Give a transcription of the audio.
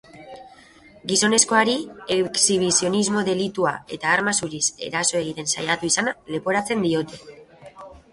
Gizonezkoari exhibizionismo delitua eta arma zuriz eraso egiten saiatu izana leporatzen diote.